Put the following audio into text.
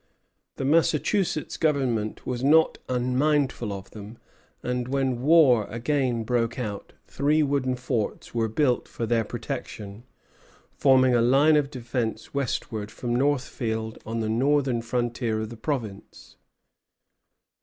The Massachusetts Government was not unmindful of them, and when war again broke out, three wooden forts were built for their protection, forming a line of defence westward from Northfield on the northern frontier of the province.